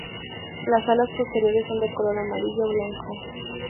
Las alas posteriores son de color amarillo-blanco.